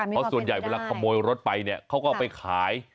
เพราะส่วนใหญ่เวลาขโมยรถไปเนี่ยเขาก็เอาไปขาย